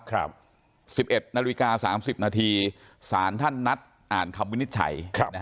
๑๑นาฬิกา๓๐นาทีสารท่านนัดอ่านคำวินิจฉัย